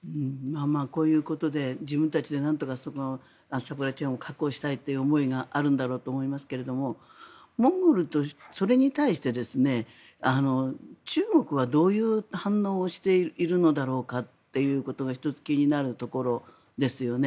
こういうことで自分たちでなんとかサプライチェーンを確保したいという思いがあるんだと思いますがそれに対して中国はどういう反応をしているのだろうかっていうことが１つ気になるところですよね。